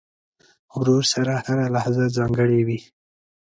ورور سره هره لحظه ځانګړې وي.